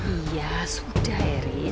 iya sudah erin